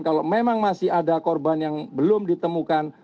kalau memang masih ada korban yang belum ditemukan